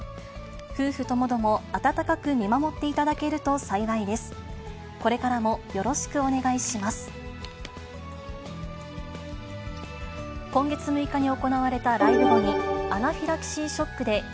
夫婦ともども温かく見守っていただけると幸いです。